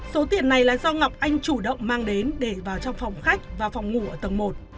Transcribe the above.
số tiền này là do ngọc anh chủ động mang đến để vào trong phòng khách và phòng ngủ ở tầng một